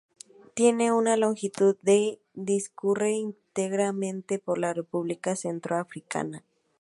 Tiene una longitud de y discurre íntegramente por la República Centroafricana.